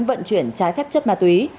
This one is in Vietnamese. vận chuyển trái phép chất ma túy